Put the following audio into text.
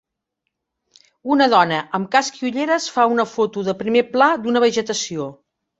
Una dona amb casc i ulleres fa una foto de primer pla d'una vegetació.